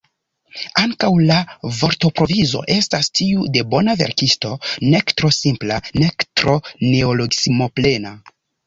Ankaŭ la vortoprovizo estas tiu de bona verkisto, nek tro simpla nek tro neologismoplena.